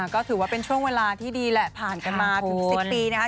ก็ถือว่าเป็นช่วงเวลาที่ดีแหละผ่านกันมาถึง๑๐ปีนะครับ